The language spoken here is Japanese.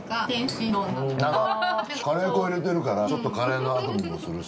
しかもカレー粉入れてるからちょっとカレーの風味もするし。